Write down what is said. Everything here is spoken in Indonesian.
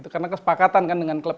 karena kesepakatan dengan klub